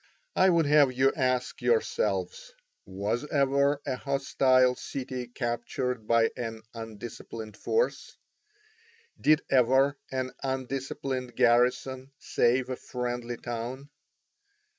I would have you ask yourselves, was ever a hostile city captured by an undisciplined force? Did ever an undisciplined garrison save a friendly town?